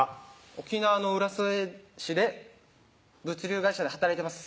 沖縄の浦添市で物流会社で働いてます